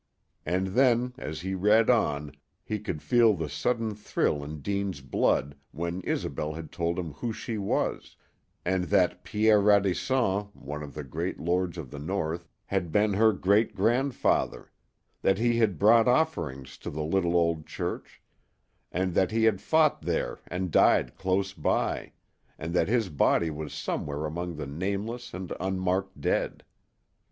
And then, as he read on, he could feel the sudden thrill in Deane's blood when Isobel had told him who she was, and that Pierre Radisson, one of the great lords of the north, had been her great grandfather; that he had brought offerings to the little old church, and that he had fought there and died close by, and that his body was somewhere among the nameless and unmarked dead.